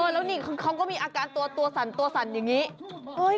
แล้วนี่เขาก็มีอาการตัวสั่นอย่างนี้